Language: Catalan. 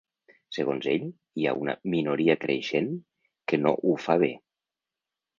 Segons ell, hi ha una “minoria creixent que no ho fa bé”.